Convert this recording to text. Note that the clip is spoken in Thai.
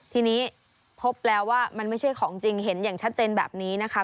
ทีนี้พบแล้วว่ามันไม่ใช่ของจริงเห็นอย่างชัดเจนแบบนี้นะคะ